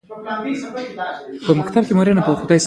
د الټراساونډ امواج کاروي.